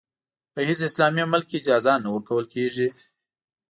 په هېڅ اسلامي ملک کې اجازه نه ورکول کېږي.